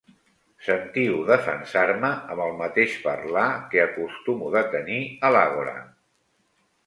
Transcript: Sentiu defensar-me amb el mateix parlar que acostumo de tenir a l'àgora.